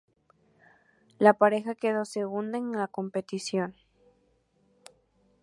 La pareja quedó segunda en la competición.